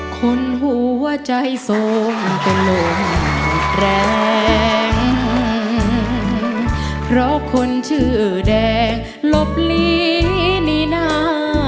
คนหัวใจโสมเป็นลมหมดแรงเพราะคนชื่อแดงหลบหลีนี่นา